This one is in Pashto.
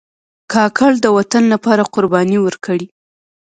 کاکړ د وطن لپاره قربانۍ ورکړي.